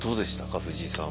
藤井さんは。